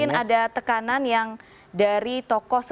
dan beliau selalu menyampaikan bahwa pks memang adalah mitra koalisi